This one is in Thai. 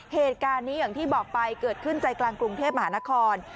เหตุการณ์นี้อย่างที่บอกไปเกิดขึ้นใจกลางกรุงเทพมหานคร